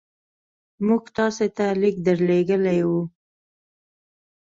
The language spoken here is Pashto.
موږ تاسي ته لیک درلېږلی وو.